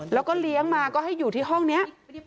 แล้วก็เลี้ยงมาก็ให้อยู่ที่ห้องนี้